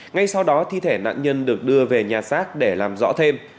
ngay sau đó thi thể nạn nhân được đưa về nhà xác để làm rõ thêm